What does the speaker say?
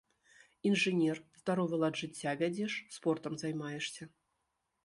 Інжынер, здаровы лад жыцця вядзеш, спортам займаешся.